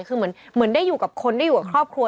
คือเหมือนได้อยู่กับคนได้อยู่กับครอบครัว